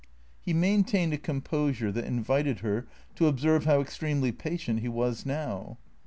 He maintained a composure that invited her to observe how extremely patient he was now.